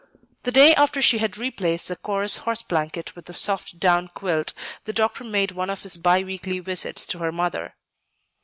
The day after she had replaced the coarse horse blanket with a soft down quilt, the doctor made one of his bi weekly visits to her mother.